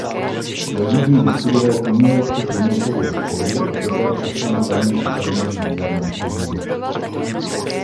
Ve Vídni vystudoval uměleckoprůmyslovou školu a poté přešel na tamní Akademii výtvarných umění.